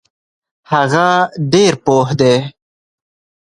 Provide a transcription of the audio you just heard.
هغه ډیر پوه دی.